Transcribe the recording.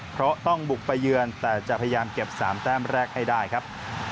เพราะต้องบุกไปเยือนแต่จะพยายามเก็บ๓แต้มแรกให้ได้ครับ